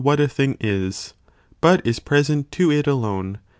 Cf what a thing is, but is present to it alone, and op.